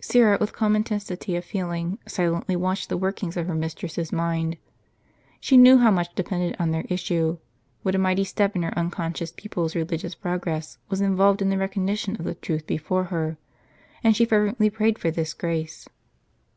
Syra, with calm intensity of feeling, silently watched the workings of her mistress's mind. She knew how much depended on their issue, what a mighty step in her uncon scious pupil's religious progress was involved in the recogni tion of the truth before her ; and she fervently prayed for this grace.